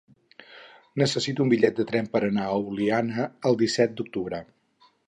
Necessito un bitllet de tren per anar a Oliana el disset d'octubre.